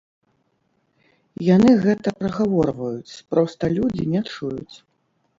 Яны гэта прагаворваюць, проста людзі не чуюць.